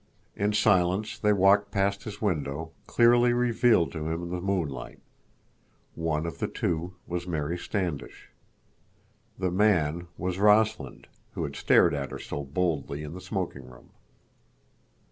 In silence they walked past his window, clearly revealed to him in the moonlight. One of the two was Mary Standish. The man was Rossland, who had stared at her so boldly in the smoking room.